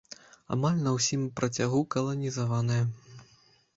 Амаль на ўсім працягу каналізаваная.